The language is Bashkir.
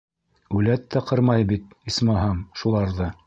- Үләт тә ҡырмай бит, исмаһам, шуларҙы!